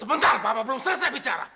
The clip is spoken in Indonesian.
sebentar bapak belum selesai bicara